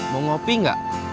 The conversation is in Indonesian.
mau kopi gak